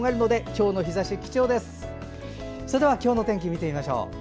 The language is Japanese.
今日の天気を見てみましょう。